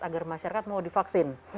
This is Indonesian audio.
agar masyarakat mau divaksin